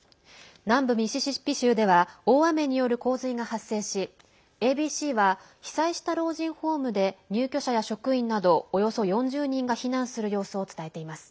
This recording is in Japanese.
南部ミシシッピ州では大雨による洪水が発生しＡＢＣは被災した老人ホームで入居者や職員などおよそ４０人が避難する様子を伝えています。